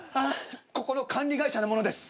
ここの管理会社の者です。